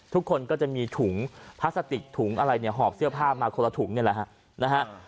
ทุกคนก็จะมีถุงพลาสติกถุงอะไรเนี่ยหอบเสื้อผ้ามาคนละถุงนี่แหละฮะนะฮะ